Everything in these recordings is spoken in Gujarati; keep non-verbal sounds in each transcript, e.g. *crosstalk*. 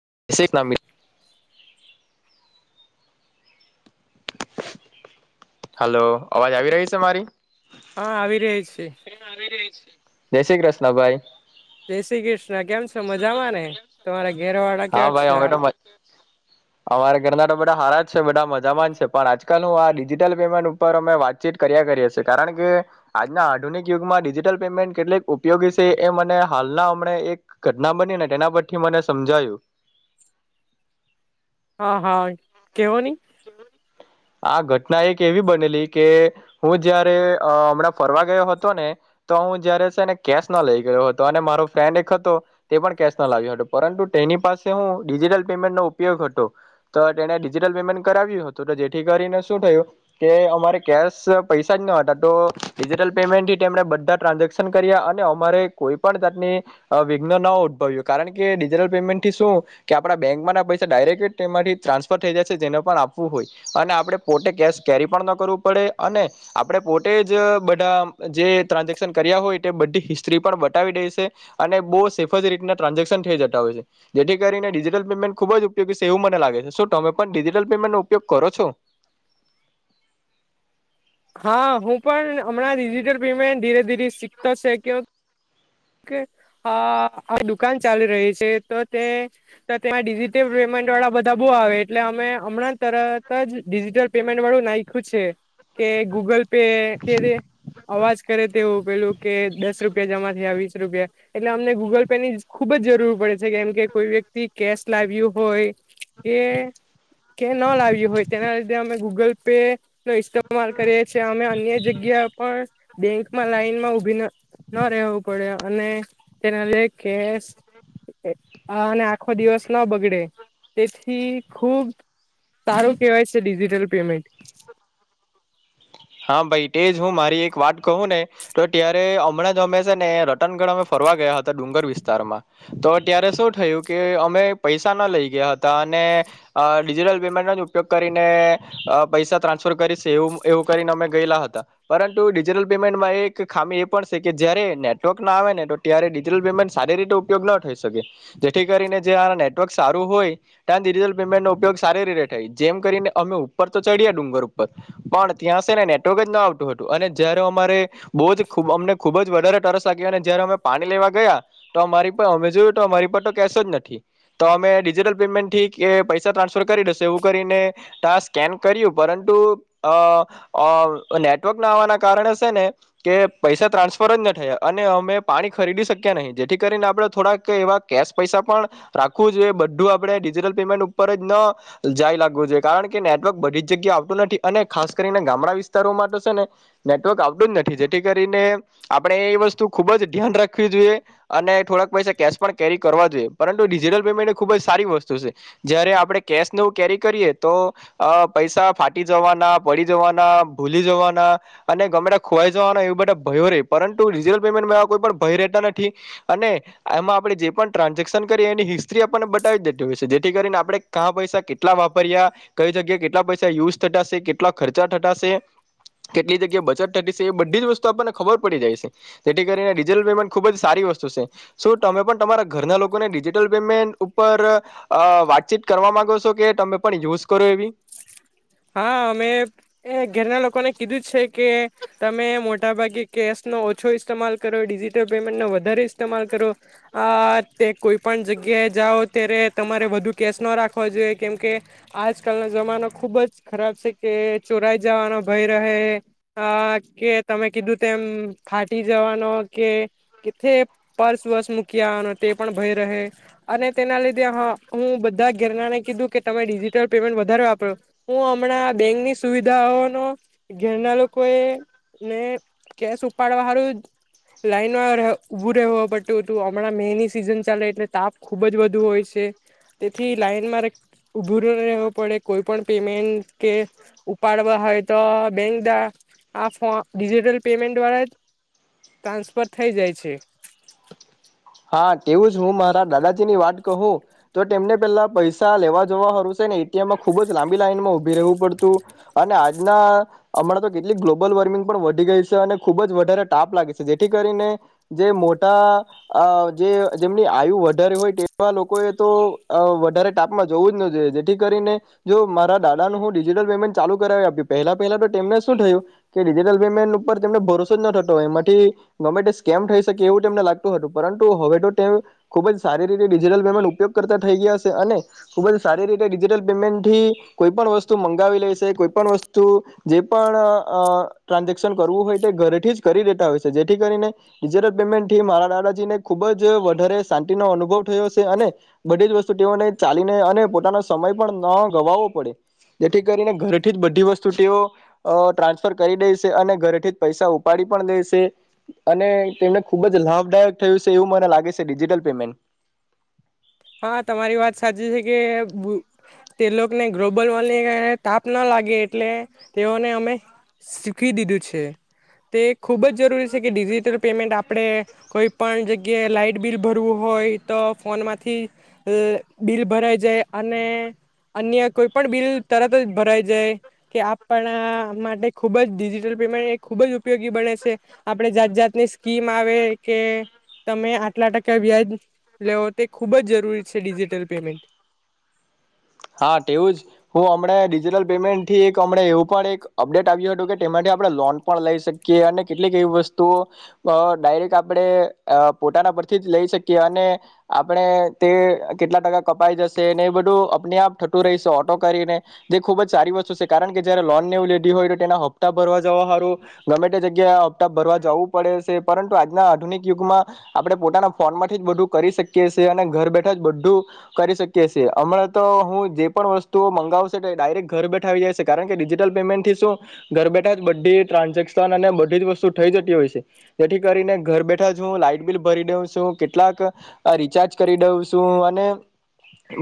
*unintelligible* હલો. અવાજ આવી રહી છે મારી? હા આવી રહી છે. *inaudible* જય શ્રી કૃષ્ણ ભાઈ. જય શ્રી કૃષ્ણ કેમ છો મજામાં ને તમારા ઘેર વાળા હા કેવા ભાઈ છે અમે યાર તો મ, અમારે ઘરના તો બધા હારા જ છે બધા મજામાં છે. પણ આજ *unintelligible* આ ડિજિટલ પેમેન્ટ ઉપર અમે વાતચીત કર્યા કરીએ છીએ, કારણ કે આજના આધુનિક યુગમાં ડિજિટલ પેમેન્ટ કેટલીક ઉપયોગી છે એ મને હાલના હમણે એક ઘટના બની ને તેના ઉપરથી મને સમજાયું. હા, હા. કેવો ની આ ઘટના એક એવી બનેલી કે હું જયારે અહ હમણાં ફરવા ગયો હતો ને, તો હું જયારે સેને કેશ ના લઈ ગયો હતો અને મારો ફ્રેન્ડ એક હતો તે પણ કેશ ના લાવ્યો હતો, પરંતુ તેની પાસે હું ડિજિટલ પેમેન્ટ નો ઉપયોગ હતો. તો તેને ડિજિટલ પેમેન્ટ કરાવ્યું હતું તો જેથી કરીને શું થયું કે અમારે કેશ પૈસા જ ન હતા તો ડિજિટલ પેમેન્ટથી તેમણે બધા ટ્રાન્ઝેક્શન કર્યા, અને અમારે કોઈ પણ જાતની વિઘ્ન ન ઉદ્ભવ્યું, કારણ કે ડિજિટલ પેમેન્ટથી શું કે આપણા બેંકમાં ના પૈસા ડાયરેક્ટલી જ તેમાંથી ટ્રાન્સફર થઈ જાય છે જેનો પણ આપવું હોય, અને આપણે પોતે કેશ કેરી પણ ન કરવું પડે, અને આપણે પોતે જ બધા જે ટ્રાન્ઝેક્શન કર્યા હોય તે બધી હિસ્ટ્રી પણ બતાવી દે સે, અને બહુ સેફ જ રીતના ટ્રાન્ઝેક્શન થઈ જતા હોય છે. જેથી કરીને ડિજિટલ પેમેન્ટ ખુબ જ ઉપયોગી સે એવું મને લાગે છે. શું તમે પણ ડિ જીટલ પેમેન્ટ નો ઉપયોગ કરો છો? હા હું પણ હમણાં ડિજિટલ પેમેન્ટ ધીરે-ધીરે શીખતો સે કે કે અહ આ દુકાન ચાલી રહી છે તો તે તો ત્યાં ડિજિટલ પેમેન્ટ વાળા બધા બહુ આવે, એટલે અમે હમણાં તરત જ ડિજિટલ પેમેન્ટ વાળું નાયખું છે. કે ગૂગલ પે *unintelligible* અવાજ કરે તેવું પેલું કે દસ રૂપિયા જમા થયા, વીસ રૂપિયા એટલે અમને ગૂગલ પે ની ખુબ જ જરૂર પડે છે, કેમ કે કોઈ વ્યક્તિ કેશ લાવ્યું હોય કે કે ન લાવ્યું હોય તેના લીધે અમે ગૂગલ પે નો ઇસ્તેમાલ કરીએ છીએ અમે અન્ય જગ્યા પણ બેંકમાં લાઈન માં ઉભી ન ન રહેવું પડે. અને તેના લે કેશ આ અને આખો દિવસ ન બગડે, તેથી ખુબ સારું કેહેવાય છ ડિજિટલ પેમેન્ટ હા ભાઈ તેજ. હું મારી એક વાત કહું ને તો ત્યારે હમણાં જ અમે છે ને રતનગઢ અમે ફરવા ગયા હતા ડુંગર વિસ્તારમાં, તો ત્યારે શું થયું કે અમે પૈસા ના લઈ ગયા હતા અને ડિજિટલ અહ પેમેન્ટનો જ ઉપયોગ કરીને પૈસા ટ્રાન્સફર કરીશ એવું-એવું કરીને અમે ગયેલા હતા પરંતુ ડિજટલ પેમેન્ટમાં એક ખામી એ પણ સે કે જયારે નેટવર્ક ના આવે ને ત્યારે ડિજિટલ પેમેન્ટ સારી રીતે ઉપયોગ ન થઈ શકે, જેથી કરીને જ્યાં નેટવર્ક સારું હોય તા ડિજટલ પેમેન્ટ નો ઉપયોગ સારી રીતે થાય, જેમ કરીને અમે ઉપર તો ચડ્યા ડુંગર ઉપર પણ ત્યાં છે ને નેટવર્ક જ ન આવતું હતું, અને જયારે અમારે બહુ જ ખુબ અમને ખૂબ જ વધારે તરસ લાગીષઅને જયારે અમે પાણી લેવા ગયા, તો અમારી પર અમે જોયું તો અમારી પાહે તો કેશ જ નથી. તો અમે ડિજિટલ પેમેન્ટથી કે પૈસા ટ્રાન્સફર કરી દેશું એવું કરીને તા સ્કેન કર્યું પરંતુ અહ અહ નેટવર્ક ના આવવાના કારણે સે ને તે પૈસા ટ્રાન્સફર જ ન થયા, અને અમે પાણી ખરીદી શક્યા નહીં. જેથી કરીને આપણે થોડાક એવા કેશ પૈસા પણ રાખવું જોઈએ, બધું આપણે ડિજિટલ પેમેન્ટ ઉપર જ ન જાય લાગવું જોઈ, કારણ કે નેટવર્ક બધી જ જગ્યા આવતું નથી અને ખાસ કરીને ગામડા વિસ્તારોમાં તો સે ને નેટવર્ક આવટું જ નથી, જેથી કરીને આપણે એ વસ્તુ ખુબ જ ધ્યાન રાખવી જોઈએ અને થોડાક પૈસા કેશ પણ કેરી કરવા જોઈએ. પરંતુ ડિજિટલ પેમેન્ટ એ ખુબ જ સારી વસ્તુ સે. જયારે આપણે કેશ નું કેરી કરીએ તો અહ પૈસા ફાટી જવાના પડી જવાના, ભૂલી જવાના, અને ગમે ટા ખોવાઈ જવાના એવા બધા ભયો રહી, પરંતુ ડિજિટલ પેમેન્ટમાં એવા કોઈ પણ ભય રહેતા નથી, અને એમાં આપણે જે પણ ટ્રાન્ઝેક્શન કરીએ એની હિસ્ટ્રી આપણને બતાવી દેતી હોય છે. જેથી કરીને આપણે કહા પૈસા કેટલા વાપર્યા, કઈ જગ્યાએ કેટલા પૈસા યુઝ થતા સે, કેટ ટલા ખર્ચા થતા શે, કેટલી જગ્યાએ બચત થતી સે, એ બધી જ વસ્તુ આપણને ખબર પડી જાય સે. જેથી કરીને ડિજીિટલ પેમેન્ટ ખુબ જ સારી વસ્તુ સે. શું તમે પણ તમારા ઘરના લોકોને ડિજિટલ પેમેન્ટ ઉપર અહ વાતચીત કરવા માંગો છો કે તમે પણ યુઝ કરો એવી? મેં એ ઘરના લોકોને કીધું જ છે કે તમે મો મોટાભાગે કેશ નો ઓછો ઇસ્તેમાલ કરો, ડિજિટલ પેમેન્ટ નો વધારે ઇસ્તેમાલ કરો. આ તે કોઈ પણ જગ્યાએ જાઓ ત્યારે તમારે વધુ કેશ ન રાખવો જોઈએ કેમકે આજ કાલનો જમાનો ખુબ જ ખરાબ છે, કે ચોરાઈ જવાનો ભય રહે, અહ કે તમે કીધું તેમ ફાટી જવાનો કે કેથે પર્સ વર્સ મૂકી આવવાનો તે પણ ભય રહે, અને તેના લીધે હું બધા ઘેરનાને કીધું કે તમે ડિજિટલ પેમેન્ટ વધારે વાપરો. હું હમણાં બેંકની સુવિધાઓનો ઘેરના લોકો એ ને કેશ ઉપાડ હારું જ લાઈનમાં ર ઉભું રહેવું પડતું હતું, હમણાં મે ની સિઝન ચાલે એટલે તાપ ખુબ જ વધુ હોય છે, તેથી લાઈનમાં રે ઉભું ર હેવું પડે, કોઈ પણ પેમેન્ટ કે ઉપાડવા હોય તો બેંક દા આ ફો ડિજિટલ પેમેન્ટ દ્વારા ટ્રાન્સફર થઈ જાય છે. હા તેવું જ. હું મારા દાદાજી ની વાત કહું તો તેમને પેલા પૈસા લેવા જોવા હારું સે ને ત્યાષમ ખુબ જ લાંબી લાઈન માં ઉભી રહેવું પડતું, અને આજના હમણાં તો કેટલીક ગ્લોબલ વોર્મિંગ પણ વધી ગઈ સે અને ખુબ જ વધારે તાપ લાગે છે. જેથી કરીને જે મોટા અહ જે જેમની આયુ વધારે હોય તેવા લોકોએ તો અહ વધારે ટાપમાં જવું જ ન જોઈએ, જેથી કરીને જો મારા દાદાનું હું ડિજિટલ પેમેન્ટ ચાલુ કરાવી આપી. પહેલા-પહેલા તો તેમને શું થયું કે ડિજિટલ પેમેન્ટ ઉપર તેમને ભરોસો જ ન થતો, એમાંથી ગવર્મેન્ટે સ્કેમ થઈ શકે એવું તેમને લાગતું હતું પરંતુ હવે તો તે ખુબ જ સારી રીતે ડિજિટલ પેમેન્ટ ઉપયોગ કરતા થઈ ગયા સે, અને ખુબ જ સારી રીતે ડિજિટલ પેમેન્ટ થી કોઈ પણ વસ્તુ મંગાવી લેશે, કોઈ પણ વસ્તુ જે પણ અહ ટ્રાન્ઝેક્શન કરવું હોય તે ઘરેથી જ કરી દેતા હોય છે. જેથી કરીને ડિજિટલ પેમેન્ટથી મારા દાદા જીષને ખુબ જ વધારે શાંતિનો અનુભવ થયો છે, અને બધી જ વસ્તુઓને ચાલીને અને પોતાનો સમય પણ ન ગવાવો પડે, જેથી કરીને ઘરેથી જ બધી વસ્તુ ટેઓ ટ્રાન્સફર કરી દે શે, અને ઘરેથી જ પૈસા ઉપાડી પણ દેશે, અને તેમને ખુબ જ લાભદાયક થયું છે એવું મને લાગે છે ડિજિટલ પેમેન્ટ.. હા તમારી વાત સાચી છે કે તે લોકને ગ્લોબલ વોર્મિંગ અને તાપ ન લાગે એટલે તેઓને અમે શીખી દીધું છે, તે ખૂબ જ જરૂરી છે કે ડિજિટલ પેમેન્ટ આપણે કોઈ પણ જગ્યાએ લાઈટ બિલ ભરવું હોય તો ફોનમાંથી અહ બિલ ભરાઈ જાય અને અન્ય કોઈ પણ બિલ તરત જ ભરાઈ જાય કે આપણા માટે ખુબ જ ડિજિટલ પેમેન્ટ એ ખૂબ જ ઉપયોગી બને છે. આપણે જાત-જાતની સ્કીમ આવે, કે તમે આટલા ટકા વ્યાજ લેવો તે ખૂબ જ જ જરૂરી છે ડિજિટલ પેમેન્ટ. હા તેવું જ હું અમણા ડિજીિટલ પેમેન્ટ થી એકમ એવું પણ એક અપડેટ આવ્યું હતું કે તેમાં આપણે લોન પણ લઈ શકીએ અને કેટલીક એવી વસ્તુઓ ડાયરેક આપણે પોતાના પરથી જ લઈ શકીએ અને આપણે તે કેટલા ટકા કપાઈ જશેને એ બધું આપણે આપ ઠતું રહીશ ઓટો કરીને જે ખૂબ જ સારી વસ્તુ છે કારણ કે જયારે લોન નેવું લેડી હોય તો તેના હપ્તા ભરવા જવા સારું ગમે તે જગ્યાએ હપ્તા ભરવા જવું પડે છે પરંતુ આજના આધુનિક યુગમાં આપણે પોતાના ફોનમાંથી જ બધું કરી શકીએ છીએ અને ઘર બેઠા જ બધું કરી શકીએ છીએ હમણાં તો હું જે પણ વસ્તુ મંગાવશે ડાયરેક્ટ ઘર બેઠા આવી જાયશે કારણ કે ડિજિટલ પેમેન્ટ થી શું ઘર બેઠા જ બધી ટ્રાન્ઝેક્શન અને બધી જ વસ્તુ થઈ જતી હોય છે જેથી કરીને ઘર બેઠા જ હું લાાઈટ બિલ ભરી દઉ છું કેટલાક રિચાર્જ કરી દઉ છું અને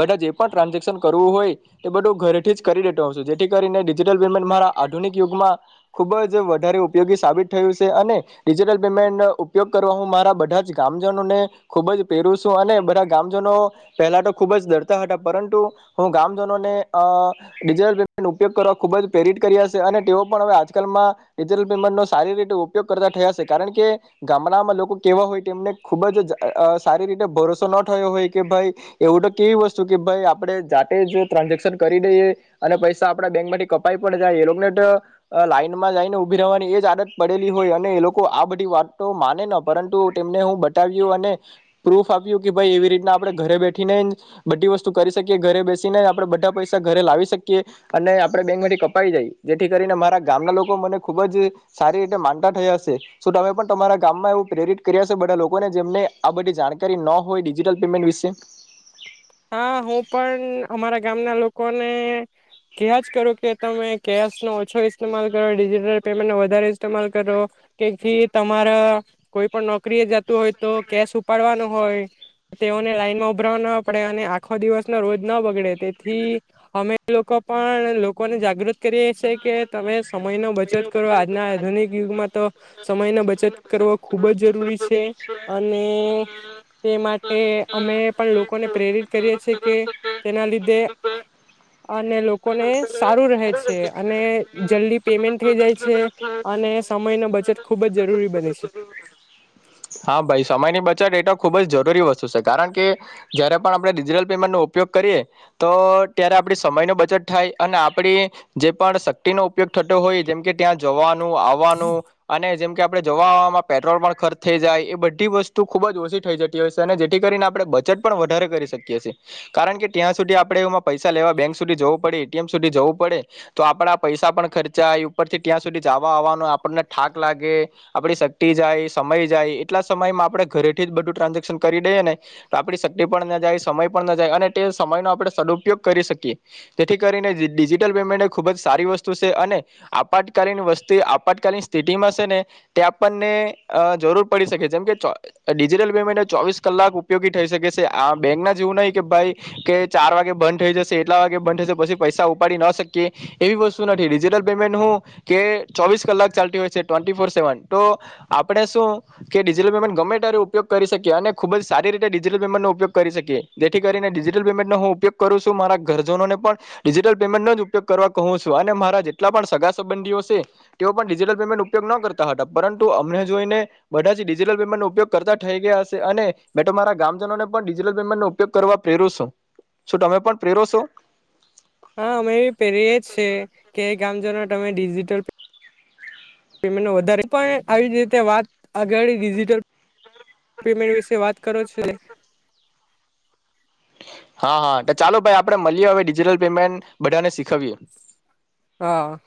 બધા પણ ટ્રાન્ઝેક્શન કરવું હોય તે બધું ઘરેથી જ કરી દેતો હો છું જેથી કરીને ડિજિટલ પેમેન્ટ મારા આધુનિક યુગમાં ખુબ જ વધારે ઉપયોગી સાબિત થયું છે અને ડિજિટલ પેમેન્ટ ઉપયોગ કરવા હું મારા બધા જ ગામજનોને ખૂુબ જ પહેરું છું અને બધા ગામજનો પહેલા તો ખુબ જ દરતાટ પરંતુ હું ગામજનોને અ ડિજટલ પેમેન્ટ ઉપયોગ કરવા ખુબ જ પ્રેરિત કર્યા છે અને તેઓ પણ હવે આજકાલમાં ડિજટલ પેમેન્ટનોો સારી રીતે ઉપયોગ કરતા થયા છે કારણ કે ગામડામાં લોકો કેવા હોય તેમને ખુબ જ સારી રીતે ભરોસો ન થયો હોય કે ભાઈ એવું તો કેવી વસ્તુ કે ભાઈ આપણે જાતે જો ટ્રાન્ઝેક્શન કરી દઈએ અને પૈસા આપડા બેંક માંથી કપાઈ પણ જાય એ લોકોને લાઈનમાં જઈને ઉભી રવાની એ જ આદત પડેલી હોય અને એ લોકો આ બધી વાત તો માને ન પરંતુ તેમને હું બતાવ્યું અને પ્રૂફ આપ્યું કે ભાઈ એવી રીતના આપણેે ઘરે બેઠીને બધી વસ્તુ કરી શકીએ ઘરે બેસીને આપણે બધા પૈસા ઘરે લાવી શકીએ અને આપણે બેંકમાંથી કપાઈી જાય જેથી કરીને મારા ગામના લોકો મને ખૂબ જ સારી રીતે માનતા થયા હશે શ તમે પણ તમારા ગામમાં એવું પ્રેરિત કર્યા છે બધા લોકોને જેમને આ બધી જાણકારી ન હોય ડિજિટલ પેમેન્ટ વિશે. હા હું પણ અમારા ગામના લોકોને કયાજ કરું કે તમે કેશ નો ઓછો ઇસ્માલ કરો ડિજિટલ પેમેન્ટ નો વધારે ઇસ્તેમાલ કરો કેથી તમારા કોઈ પણ નક નોકરી જતું હોય તો કેશ ઉપાડવાનો હોય. તેઓને લાઈન માં ઉભરાવાના આપે અને આખો દિવસ ન રોજ ના બગડે તેથી અમે લોકો પણ લોકોને જાગૃત કરીએ છે કે તમે સમય ન બચત કરો આજના આધુનિક યુગમાં તો સમયનો બચત કરવો ખૂબ જ જરૂરી છે અને તે માટે અમે પણ લોકોને પ્રેરિત કરીએ છે કે તેના લીધે અને લોકોને સારું રહે છે. અને જલ્દી પેમેન્ટ થઈ જાય છે અને સમય ન બચત ખૂબ જ જરૂરી બને છે. હા ભાઈ સમયની બચત એ તો ખૂબ જ જરૂરી વસ્તુ છે કારણ કે જયારે પણ આપણે ડિજિટલ પેમેન્ટનો ઉપયોગ કરીએ તો ત્યારે આપણી સમયનો બચત થાય અને આપણી જે પણ શક્તિ ન ઉપયોગ થતો હોય જેમ કે ત્યાં જવાનો વાનું અને જેમ કે આપણે જવાવામાં પેટ્રોલ પણ ખર્ચ થઈ જાય એ બધી વસ્તુ ખૂબ જ ઓછી થઈ જતી હોય છે અને જેથી કરીને આપણે બચટ પણ વધારે કરી શકીએ છીએ કારણ કે ત્યાં સુધી આપણે એમાં પૈસા લેવા બેંક સુધી જવું પડે એટીએમ સુધી જવું પડે. તો આપડા પૈસા પણ ખર્ચાય ઉપરથી ત્યાં સુધી જવા આવવાનો આપણને થાક લાગે આપડી શક્તિ જાય સમય જાય એટલા સમયમાં આપણેે ઘરેથી જ બધું ટ્રાન્ઝેક્શન કરી દઈએ ને તો આપડી શક્તિ પણ ના જાય સમય પણ ના જાય અને તે સમયનો આપણે સદુપયોગ કરી શકીએ જેથી કરીને ડિજિટલ મેન્ટ ખુબ જ સારી વસ્તુ છે અને આપતકાલીન વસ્તી આપતકાલીન સ્થિતિમાં છે ને તે આપણને જરૂર પડી શકે છે જેમ કે ડિજિટલ પેમેન્ટ ચોવીસ કલાક ઉપયોગી થઈ શકે છે આ બેંક ના જેવું નહી કે ભાઈ કે ચાર વાગે બંધ થઈ જશે એટલા વાગે બંધ થશે પછી પૈસા ઉપાડી ન શકે. કે એવી વસ્તુ નથી જે પણ પેમેન્ટ હું કે ચોવીસ કલાક ચાલતી હોય છે ટવેન્ટી ફોર સેવન તો આપણે શું કે ડિજિટલ પેમેન્ટ ગમે ત્યારે ઉપયોગ કરી શકીએ અને ખુબ જ સારી રીતે ડિજિટલ પેમેન્ટ નો ઉપયોગ કરી શકીએ જેથી કરીને ડિજિટલ પેમેન્ટ નો હું ઉપયોગ કરું છું મારા ઘરજનોને પણ ડિજિટલ પેમેન્ટનો જ ઉપયોગ કરવા કહું છું અને મારા જેટલા પણ સગા સંબંધીઓ છે તેઓ પણ ડિજિટલ પેમેન્ટ ઉપયોગ ન કરતા હતા પરંતુ અમને જોઈને બધા જ ડિજિટલ પેમેન્ટ નો ઉપયોગ કરતા થઈ ગયા હશે અને મે મારા ગામજનોને પણ ડિજટલ પેમેન્ટ નો ઉપયોગ કરવા પ્રેરું છું શું તમે પણ પ્રેરો છો? હા અમે એવી પેરી જ છે કે ગામજનો તમે ડિજિટલમેન્ટ વધારે પણ આવી જ રીતે વાત આગળ ડિજિટલ પેમેન્ટ વિશે વાત કરો છો. હા હા ચાલો ભાઈ આપે મળીએ હવે ડિજીિટલ પેમેન્ટ બધાને શીખવીએ. હા.